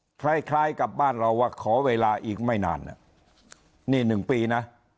อันนี้คล้ายกับบ้านเราว่าขอเวลาอีกไม่นานนี่๑ปีนะ